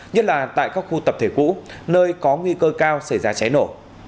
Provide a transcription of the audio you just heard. nhất là tại các khu tập thể cũ nơi có nguy cơ cao xảy ra cháy nổ